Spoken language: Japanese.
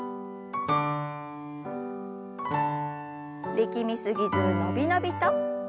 力み過ぎず伸び伸びと。